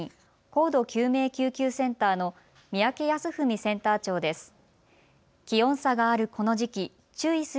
高度救命救急センターの三宅康史センター長です。